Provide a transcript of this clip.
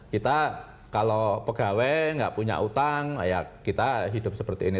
kita kalau pegawai nggak punya utang ya kita hidup seperti ini